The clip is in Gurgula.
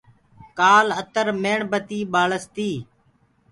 ڪآل اتر ميڻ بتي ٻآݪس تي۔